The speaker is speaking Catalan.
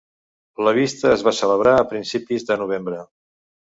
La vista es va celebrar a principis de novembre.